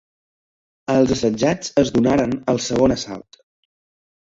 Els assetjats es donaren al segon assalt.